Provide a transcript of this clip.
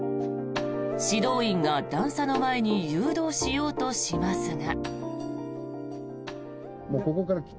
指導員が段差の前に誘導しようとしますが。